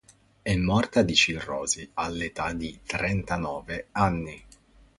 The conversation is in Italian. È morta di cirrosi all'età di trentanove anni.